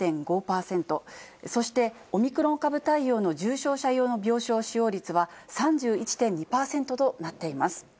そしてオミクロン株対応の重症者用の病床使用率は３１．２％となっています。